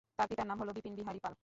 তার পিতার নাম হলো বিপিন বিহারি পাল।